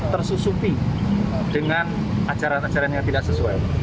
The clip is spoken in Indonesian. tersusupi dengan ajaran ajaran yang tidak sesuai